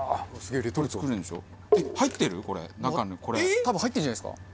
多分入ってるんじゃないですか？